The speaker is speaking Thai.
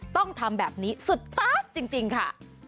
ต้องทำแบบนี้สุดตาสจริงค่ะ